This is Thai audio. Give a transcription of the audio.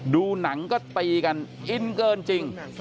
ดูหนังก็ตีกันอินเกินจริง